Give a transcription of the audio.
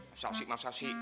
masa sih masa sih